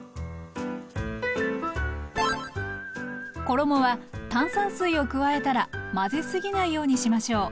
衣は炭酸水を加えたら混ぜすぎないようにしましょう。